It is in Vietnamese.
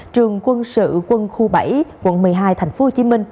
trường quân sự quân khu bảy quận một mươi hai tp hcm